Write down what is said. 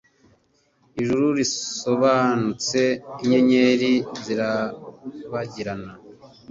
Ijuru rirasobanutse; inyenyeri zirarabagirana.